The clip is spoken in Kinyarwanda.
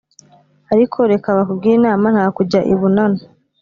arko reka bakugire inama nta kujya i bunanu